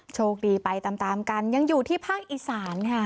โชคดีไปตามตามกันยังอยู่ที่ภาคอีสานค่ะ